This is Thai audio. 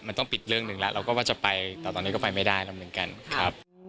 มันต้องปิดเรื่องหนึ่งแล้วเราก็ว่าจะไปต่อตอนนี้ก็ไปไม่ได้แล้วเหมือนกันครับ